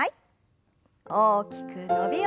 大きく伸びをして。